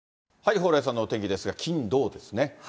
蓬莱さんのお天気ですが、金、土、ですね。